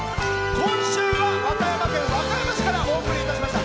今週は和歌山県和歌山市からお送りいたしました。